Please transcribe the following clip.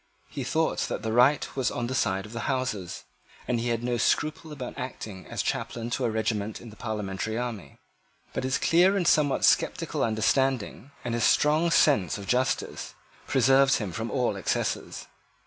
He thought that the right was on the side of the Houses; and he had no scruple about acting as chaplain to a regiment in the parliamentary army: but his clear and somewhat sceptical understanding, and his strong sense of justice, preserved him from all excesses.